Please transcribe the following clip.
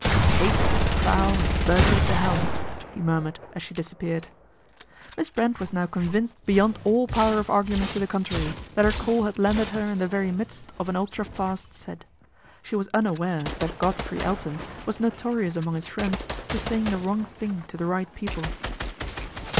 " Hate at the prow and virtue at the helm/' he murmured as she disappeared. Miss Brent was now convinced beyond all power of argument to the contrary that her call had landed her in the very midst of an ultra fast set. She was unaware that Godfrey Elton was notorious among his friends for saying the wrong thing to the right people.